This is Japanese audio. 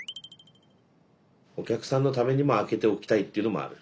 お客さんのためにも開けておきたいっていうのもある？